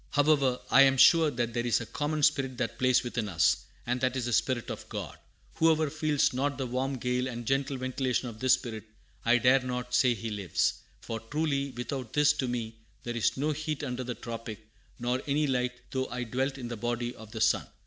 "However, I am sure that there is a common spirit that plays within us, and that is the Spirit of God. Whoever feels not the warm gale and gentle ventilation of this Spirit, I dare not say he lives; for truly without this to me there is no heat under the tropic, nor any light though I dwelt in the body of the sun."